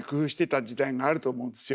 してた時代があると思うんですよ。